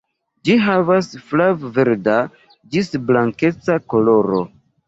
Ĝi havas flav-verda ĝis blankeca koloro.